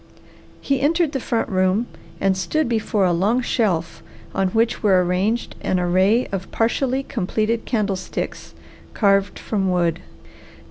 He entered the front room and stood before a long shelf on which were arranged an array of partially completed candlesticks carved from wood.